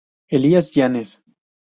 Elías Yanes.